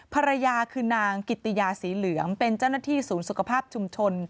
ภรรยาคือนางกิตติยาสีเหลืองเป็นเจ้าหน้าที่ศูนย์สุขภาพชุมชน